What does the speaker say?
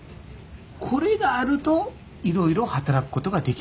これがあるといろいろ働くことができる。